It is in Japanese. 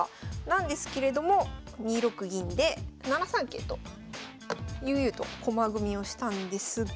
なんですけれども２六銀で７三桂と悠々と駒組みをしたんですが。